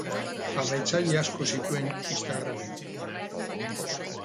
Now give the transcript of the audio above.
Jarraitzaile asko zituen Instagramen.